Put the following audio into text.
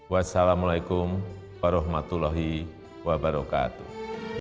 wassalamu'alaikum warahmatullahi wabarakatuh